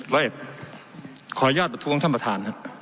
ขออนุญาตประท้วงท่านประธานครับ